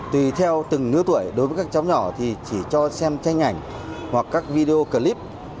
tùy theo từng lứa tuổi đối với các cháu nhỏ thì chỉ cho xem tranh ảnh hoặc các video clip